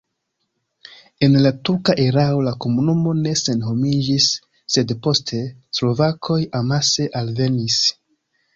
En la turka erao la komunumo ne senhomiĝis, sed poste slovakoj amase alvenis.